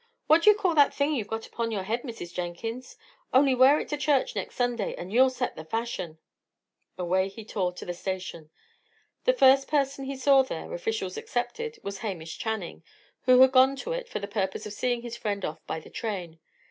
What d'ye call that thing you have got upon your head, Mrs. Jenkins? Only wear it to church next Sunday, and you'll set the fashion." Away he tore to the station. The first person he saw there, officials excepted, was Hamish Channing, who had gone to it for the purpose of seeing a friend off by the train.